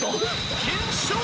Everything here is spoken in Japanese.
検証。